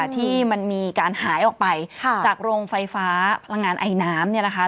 ที่มันมีการหายออกไปจากโรงไฟฟ้าพลังงานไอน้ำเนี่ยนะคะ